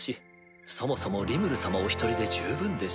そもそもリムル様おひとりで十分でしょう。